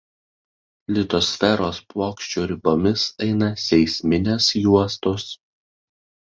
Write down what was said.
Litosferos plokščių ribomis eina seisminės juostos.